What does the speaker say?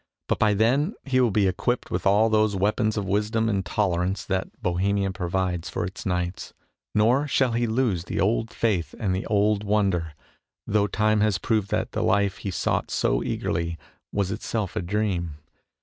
But by then he will be equipped with all those weapons of wisdom and tolerance that Bohe 32 MONOLOGUES mia provides for its knights, nor shall he lose the old faith and the old wonder, though time has proved that the life he sought so eagerly was itself a dream.